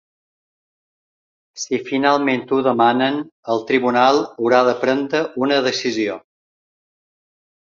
Si finalment ho demanen, el tribunal haurà de prendre una decisió.